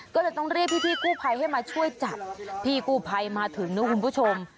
ก็เลยต้องเรียกพี่กู้ภัยให้มาช่วยจับพี่กู้ภัยมาถึงนะคุณผู้ชม